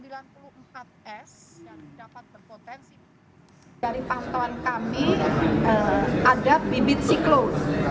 dari pantauan kami ada bibit siklon